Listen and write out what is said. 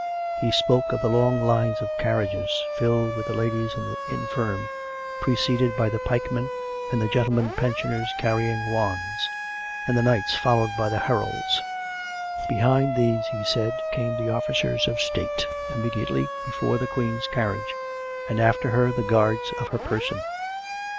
He spoke of the long lines of carriages, filled with the ladies and the infirm, preceded by the pikemen, and the gentlemen pensioners carrying wands, and the knights followed by the heralds. Behind these, he said, came the officers of State immediately before the Queen's carriage, and after her the guards of her person.